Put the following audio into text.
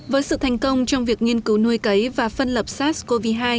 với sự thành công trong việc nghiên cứu nuôi cấy và phân lập sars cov hai